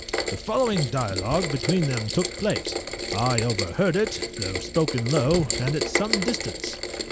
The following dialogue between them took place; I overheard it, though spoken low, and at some distance.